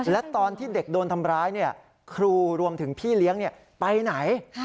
และตอนที่เด็กโดนทำร้ายครูรวมถึงพี่เลี้ยงไปไหน